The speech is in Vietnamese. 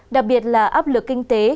đặc biệt là áp lực kinh tế